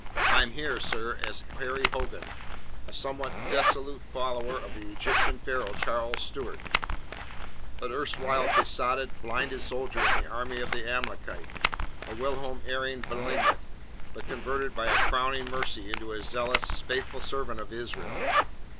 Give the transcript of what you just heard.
I am here, sir, as Harry Hogan, a sometime dissolute follower of the Egyptian Pharaoh, Charles Stuart; an erstwhile besotted, blinded soldier in the army of the Amalekite, a whilom erring malignant, but converted by a crowning mercy into a zealous, faithful servant of Israel.